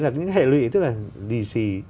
những hệ lụy tức là lì xì